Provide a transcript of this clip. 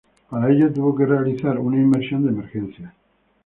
Para ello tuvo que realizar una inmersión de emergencia.